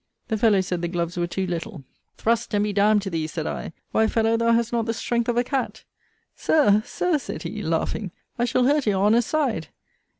The fellow said the gloves were too little. Thrust, and be d d to thee, said I: why, fellow, thou hast not the strength of a cat. Sir, Sir, said he, laughing, I shall hurt your Honour's side.